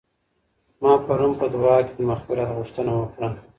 ما پرون په دعا کي د مغفرت غوښتنه وکړه.